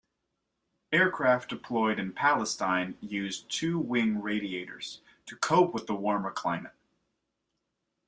Aircraft deployed in Palestine used two wing radiators, to cope with the warmer climate.